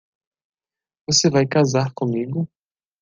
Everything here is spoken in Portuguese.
Você vai casar comigo?